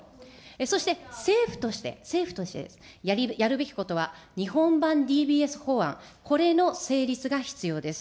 そして政府として、政府としてです、やるべきことは日本版ＤＢＳ法案、これの成立が必要です。